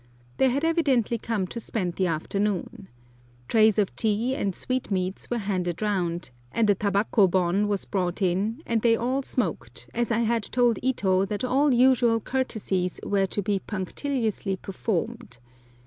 They had evidently come to spend the afternoon. Trays of tea and sweetmeats were handed round, and a labako bon was brought in, and they all smoked, as I had told Ito that all usual courtesies were to be punctiliously performed.